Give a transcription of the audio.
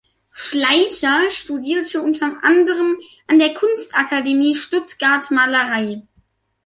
Schleicher studierte unter anderem an der Kunstakademie Stuttgart Malerei.